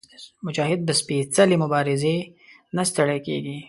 مجاهد د سپېڅلې مبارزې نه ستړی کېږي.